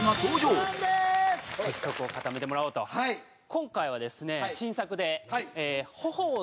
今回はですね新作で。